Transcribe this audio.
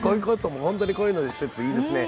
ホントにこういう施設いいですね。